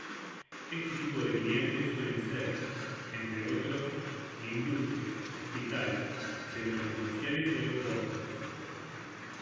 Este tipo de clientes suelen ser, entre otros: Industrias, hospitales, centros comerciales y aeropuertos.